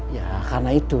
ya karena itu